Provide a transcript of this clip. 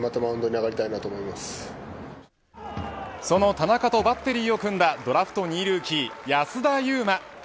その田中とバッテリーを組んだドラフト２位ルーキー安田悠馬。